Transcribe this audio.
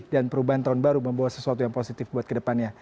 dan perubahan tahun baru membawa sesuatu yang positif buat kedepannya